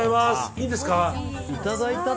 いいんですか。